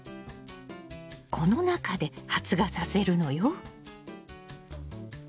この中で発芽させるのよ。